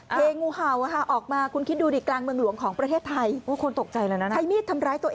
เทงูเห่าออกมาคุณคิดดูดิกลางเมืองหลวงของประเทศไทย